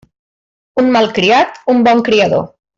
Un malcriat, un bon criador.